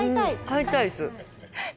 買いたいです。